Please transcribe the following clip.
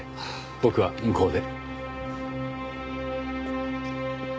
僕は向こうで。